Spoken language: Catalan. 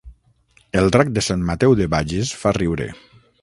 El drac de Sant Mateu de Bages fa riure